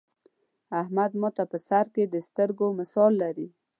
احمد ماته په سر کې د سترگو مثال لري.